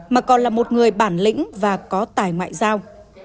mà còn là một người bản lĩnh và có tài ngoại giao